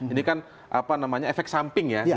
ini kan apa namanya efek samping ya